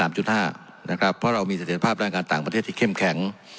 เพราะเรามีศักยภาพด้านการต่างประเทศที่เข้มแข็ง